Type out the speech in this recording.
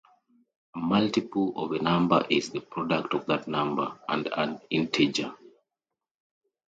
A multiple of a number is the product of that number and an integer.